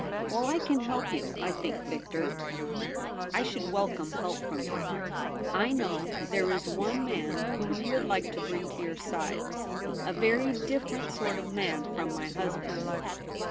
Well, I can help you, I think, Victor.' ' I should welcome help from you.' ' I know there is one man whom you would like to bring to your side ; a very different sort of man from my husband.'